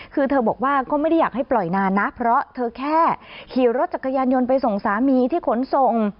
คือเธอบอกว่าก็ไม่ได้อยากให้ปล่อยนานนะเพราะเธอแค่ขี่รถจักรยานยนต์ไปส่งสามีที่ขนส่ง